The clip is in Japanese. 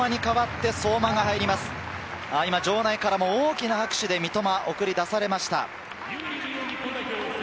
今、場内からも大きな拍手で相馬が送り出されました。